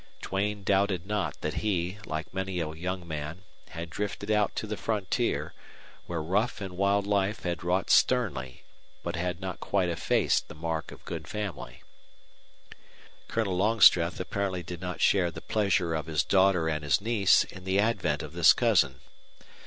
Duane doubted not that he, like many a young man, had drifted out to the frontier, where rough and wild life had wrought sternly but had not quite effaced the mark of good family. Colonel Longstreth apparently did not share the pleasure of his daughter and his niece in the advent of this cousin.